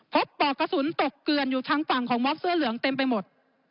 ปอกกระสุนตกเกลือนอยู่ทางฝั่งของมอบเสื้อเหลืองเต็มไปหมด